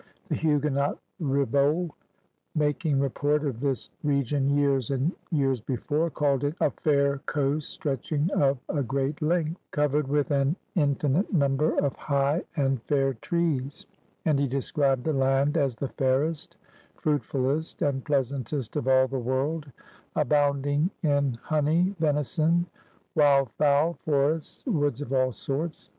The Huguenot Ribault, making report of this region years and years before, called it "a fayre coast stretching of a great length, covered with an infinite number of high and fayre trees, '' and he described the land as the *' fairest, fruitfullest, and pleasantest of all the world, abounding in hony, venison, wilde fowle, forests, woods of all sorts.